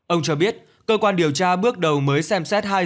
ông cho biết cơ quan điều tra bước đầu mới xem xét hai dự án